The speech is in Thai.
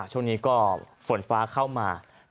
ช่วงนี้ก็ฝนฟ้าเข้ามา